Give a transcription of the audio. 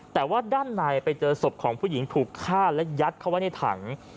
แต่ว่าด้านในไปเจอศพของผู้หญิงถูกฆ่าและยัดเข้าไว้ในถัง